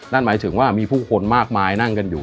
นั่นหมายถึงว่ามีผู้คนมากมายนั่งกันอยู่